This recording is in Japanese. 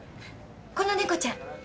この猫ちゃん。